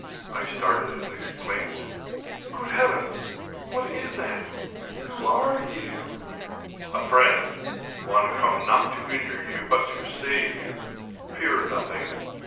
I started, and exclaimed, " Good heavens ! what is that ? Who are you ?"" A friend ; one come not to injure but to save you : fear nothing."